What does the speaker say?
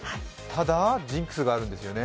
ただ、ジンクスがあるんですよね？